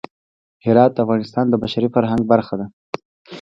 هرات د افغانستان د بشري فرهنګ برخه ده.